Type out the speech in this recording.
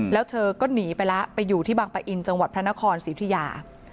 แล้วเธอก็หนีไปแล้วไปอยู่ที่บางปะอินจังหวัดพระนครศรีอุทิยา